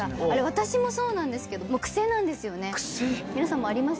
あれ私もそうなんですけどクセなんですよね。